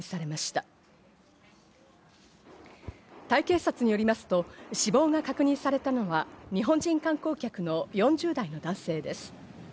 タイ警察によりますと、死亡が確認されたのは日本人観光客の４０代の男性です。